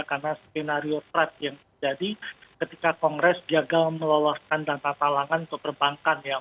karena skenario terat yang terjadi ketika kongres gagal meloloskan data talangan untuk perbankan ya